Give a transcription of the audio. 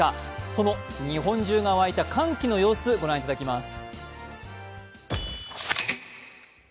その日本中が沸いた歓喜の様子ご覧いただきます。